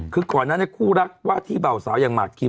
คือก่อนนั้นคู่รักว่าที่เบาสาวอย่างหมากคิม